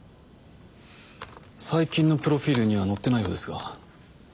最近のプロフィルには載ってないようですが。